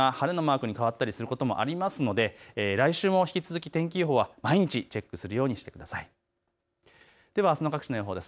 予報が新しく変わりやすい、雨のマークが晴れのマークになったりすることもありますので来週も引き続き天気予報は毎日チェックするようにしてください。